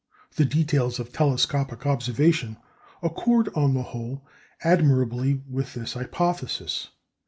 The details of telescopic observation accord, on the whole, admirably with this hypothesis.